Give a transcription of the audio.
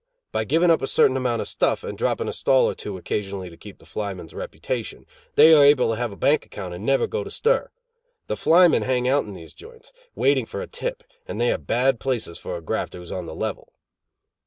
By giving up a certain amount of stuff and dropping a stall or two occasionally to keep up the flyman's reputation, they are able to have a bank account and never go to stir. The flymen hang out in these joints, waiting for a tip, and they are bad places for a grafter who is on the level."